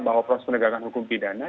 bahwa proses penegakan hukum pidana